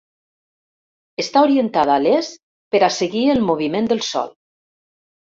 Està orientada a l'est per a seguir el moviment del sol.